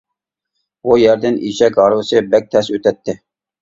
بۇ يەردىن ئېشەك ھارۋىسى بەك تەس ئۆتەتتى.